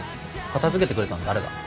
片付けてくれたの誰だ？